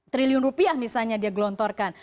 sembilan belas satu triliun rupiah misalnya dia gelontorkan